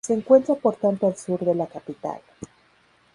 Se encuentra por tanto al sur de la capital.